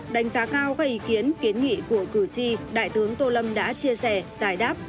đánh giá cao các ý kiến kiến nghị của cử tri đại tướng tô lâm đã chia sẻ giải đáp